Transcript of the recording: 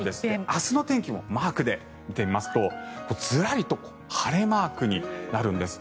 明日の天気をマークで見てみますとずらりと晴れマークになるんです。